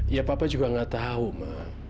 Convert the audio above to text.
ya papa juga nggak tahu mah